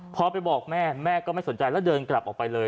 พอไปบอกแม่แม่ก็ไม่สนใจแล้วเดินกลับออกไปเลย